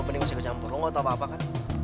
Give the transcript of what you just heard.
lo mending usikuk campur lo gak tau apa apa kan